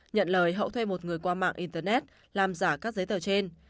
nhận lời hậu thuê một người qua mạng internet làm giả các giấy tờ trên